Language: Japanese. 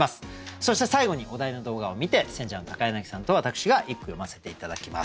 そして最後にお題の動画を観て選者の柳さんと私が一句詠ませて頂きます。